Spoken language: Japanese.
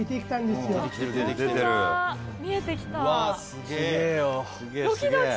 すげえよ。